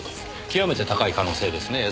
極めて高い可能性ですねぇ。